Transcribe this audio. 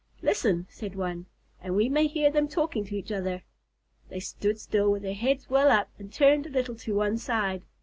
"Listen," said one, "and we may hear them talking to each other." They stood still, with their heads well up and turned a little to one side.